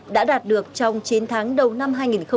đã đạt được trong chín tháng đầu năm hai nghìn hai mươi